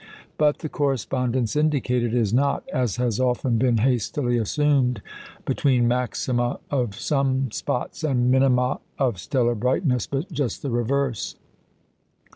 But the correspondence indicated is not, as has often been hastily assumed, between maxima of sun spots and minima of stellar brightness, but just the reverse.